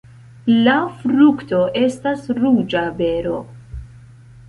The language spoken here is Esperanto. La frukto estas ruĝa bero.